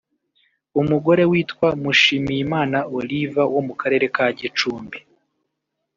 umugore witwa Mushimiyimana Olive wo mu Karere ka Gicumbi